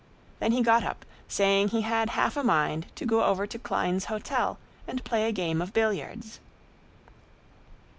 Then he got up, saying he had half a mind to go over to Klein's hotel and play a game of billiards.